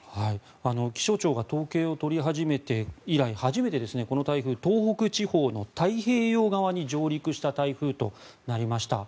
気象庁が統計を取り始めて以来初めてこの台風、東北地方の太平洋側に上陸した台風となりました。